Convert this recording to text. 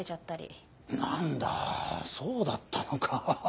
何だそうだったのか。